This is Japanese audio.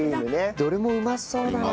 どれもうまそうだな。